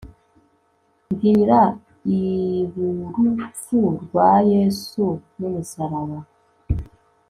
mbwira ib'urupfu rwa yesu n'umusaraba